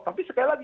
tapi sekali lagi